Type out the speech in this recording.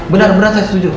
bener bener saya setuju